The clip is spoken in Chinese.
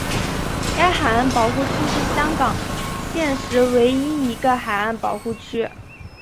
该海岸保护区是香港现时唯一一个海岸保护区。